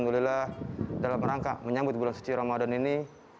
alhamdulillah dalam rangka menyambut bulan suci ramadan ini